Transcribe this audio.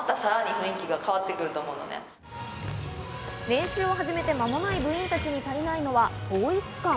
練習を始めて間もない部員たちに足りないのは統一感。